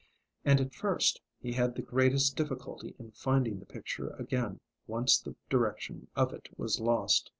And at first he had the greatest difficulty in finding the picture again once the direction of it was lost.